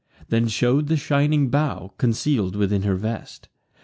Then shew'd the shining bough, conceal'd within her vest.